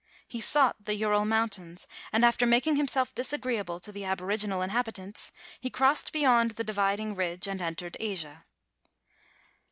He sought the Ural mountains, and after making himself disagreeable to the aboriginal inhabitants, he crossed beyond the dividing ridge and entered Asia.